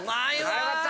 あよかった。